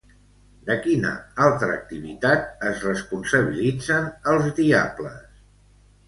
De quina altra activitat es responsabilitzen, els Diables?